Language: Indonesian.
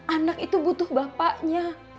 anak itu butuh bapaknya